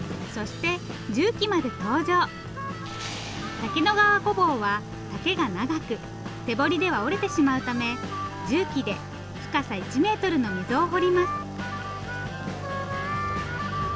滝野川ごぼうは丈が長く手掘りでは折れてしまうため重機で深さ１メートルの溝を掘ります。